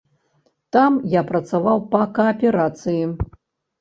Там я працаваў па кааперацыі.